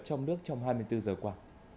trong nước trong hai mươi bốn h qua